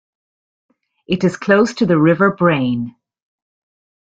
It is close to the River Brain.